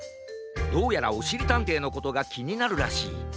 どうやらおしりたんていのことがきになるらしい。